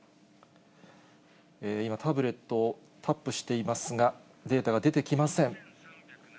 今、タブレットをタップしていますが、データが出てきません。